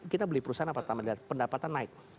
kita beli perusahaan pertama dilihat pendapatan naik